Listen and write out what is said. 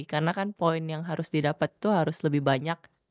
karena kan poin yang harus didapat itu harus lebih banyak